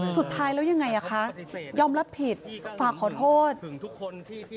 สุดท้ายแล้วยังไงอ่ะคะยอมรับผิดฝากขอโทษถึงทุกคนที่